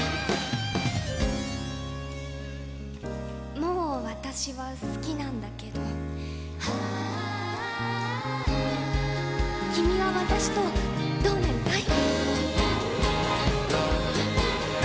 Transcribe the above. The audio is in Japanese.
もう私は、好きなんだけど君は私と、どうなりたい？